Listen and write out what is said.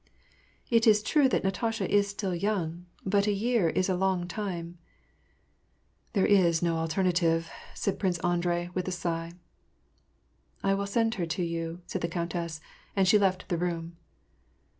'< It is true that Natasha is still young, but a year is a long time" —" There is no alternative," said Prince Andrei, with a sigh. " I will send her to you," said the countess, and she left the room.